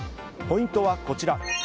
ポイントはこちら。